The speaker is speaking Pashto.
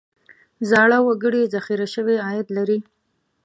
زاړه وګړي ذخیره شوی عاید لري.